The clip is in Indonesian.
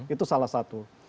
itu salah satu